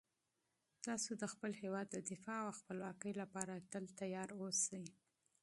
تاسو د خپل هیواد د دفاع او خپلواکۍ لپاره تل چمتو اوسئ.